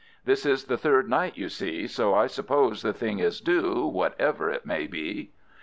This is the third night, you see, so I suppose the thing is due, whatever it may be."